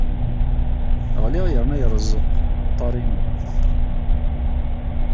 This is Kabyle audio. Ɣliɣ yerna yerreẓ uḍar-inu.